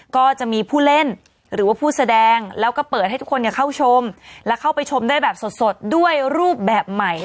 ก็จะมีผู้เล่นหรือว่าผู้แสดงแล้วก็เปิดให้ทุกคนเข้าชมและเข้าไปชมได้แบบสดด้วยรูปแบบใหม่